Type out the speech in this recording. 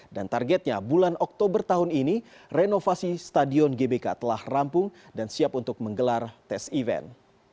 dan targetnya bulan oktober tahun ini renovasi stadion gbk telah rampung dan siap untuk menggelar tes event